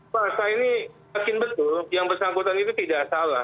pak saya ini yakin betul yang bersangkutan itu tidak salah